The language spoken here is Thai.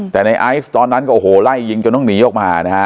แต่ในไอซ์ตอนนั้นก็โอ้โหไล่ยิงจนต้องหนีออกมานะฮะ